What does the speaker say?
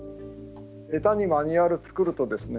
下手にマニュアルを作るとですね